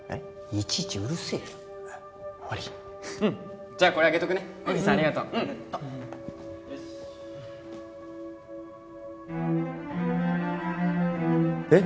いちいちうるせえよ悪いじゃあこれあげとくね栄治さんありがとうえっ？